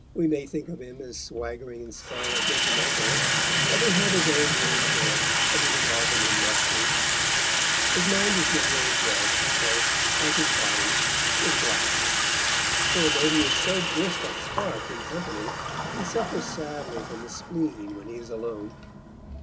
We may think of him as swaggering in scarlet regimentals, but we have his own word for it that he was often in mufti. His mind is generally dressed, he says, like his body, in black; for though he is so brisk a spark in company, he suffers sadly from the spleen when he is alone.